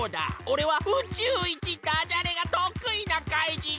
おれは宇宙いちダジャレがとくいなかいじん！